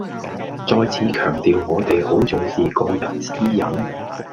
再次強調我哋好重視個人私隱